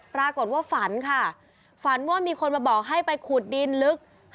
ปรากฏว่าฝันค่ะฝันว่ามีคนมาบอกให้ไปขุดดินลึก